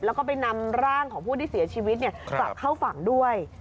แล้วก็ไปนำร่างของผู้ที่เสียชีวิตกลับเข้าฝั่งด้วย